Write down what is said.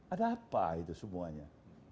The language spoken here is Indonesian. ada apa itu semuanya